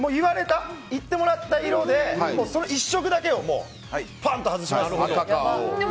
言ってもらった色でその１色だけをパンと外しますんで。